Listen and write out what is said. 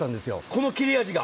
この切れ味が。